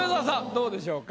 どうでしょうか？